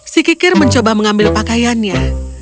si kikir mencoba mengambil pakaiannya